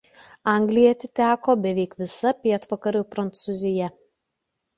Anglijai atiteko beveik visa pietvakarių Prancūzija.